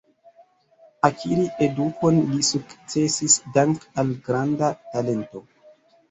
Akiri edukon li sukcesis dank al granda talento.